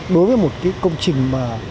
đối với một cái công trình mà